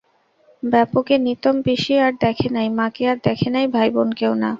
ব্যাপকে নিতম পিসি আর দেখে নাই, মাকে আর দেখে নাই, ভাই-বোনকেও না।